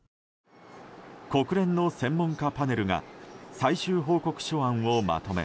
国連の専門家パネルが最終報告書案をまとめ